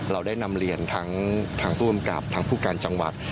เราได้นำเรียนทั้งทางผู้กำกับทั้งผู้การจังหวัด